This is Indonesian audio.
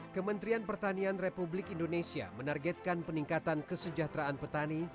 kementerian pertanian republik indonesia menargetkan peningkatan kesejahteraan petani